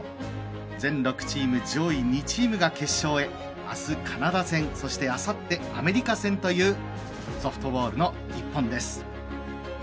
全６チーム上位２チームが決勝へ、あすカナダ戦そして、あさってアメリカ戦のソフトボールの日本です。